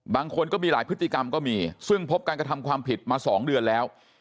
บางคนก็มีหลายพฤติกรรมก็มีซึ่งพบการกระทำความผิดมา๒เดือนแล้ว